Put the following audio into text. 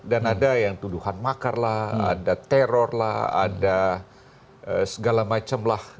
dan ada yang tuduhan makar lah ada teror lah ada segala macem lah